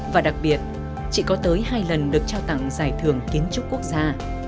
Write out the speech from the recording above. và đặc biệt chị có tới hai lần được trao tặng giải thưởng kiến trúc quốc gia